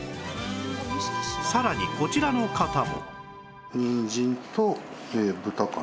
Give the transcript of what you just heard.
さらにこちらの方も